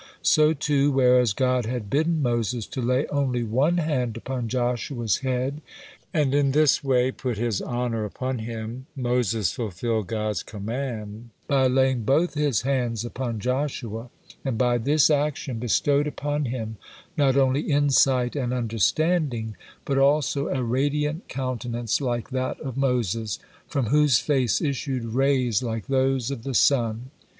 So, too, whereas God had bidden Moses to lay only one hand upon Joshua's head and in this way put his honor upon him, Moses fulfilled God's command by laying both his hands upon Joshua, and by this action bestowed upon him not only insight and understanding, but also a radiant countenance like that of Moses, from whose face issued rays like those of the sun.